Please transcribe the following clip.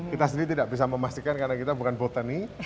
kita sendiri tidak bisa memastikan karena kita bukan botani